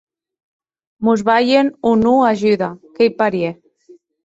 Mos balhen o non ajuda, qu’ei parièr!